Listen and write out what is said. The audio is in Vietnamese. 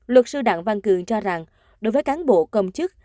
luật sư đặng văn cường cho rằng đối với cán bộ công chức